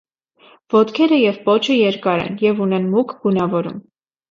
Ոտքերը և պոչը երկար են և ունեն մուգ գունավորում։